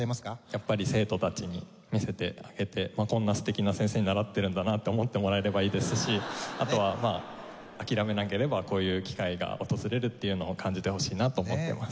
やっぱり生徒たちに見せてあげてこんな素敵な先生に習ってるんだなって思ってもらえればいいですしあとは諦めなければこういう機会が訪れるっていうのを感じてほしいなと思ってます。